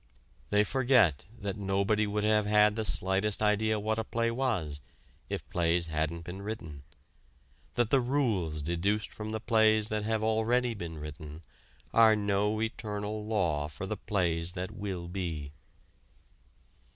They forget that nobody would have had the slightest idea what a play was if plays hadn't been written; that the rules deduced from the plays that have already been written are no eternal law for the plays that will be.